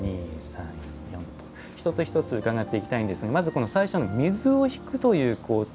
１つ１つ伺っていきたいんですがまず最初の水を引くという工程。